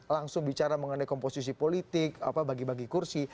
langsung bicara mengenai komposisi politik bagi bagi kursi